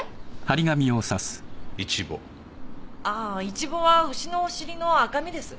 イチボは牛のお尻の赤身です。